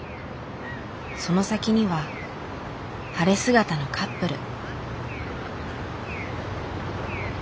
その先には晴れ姿のカップル。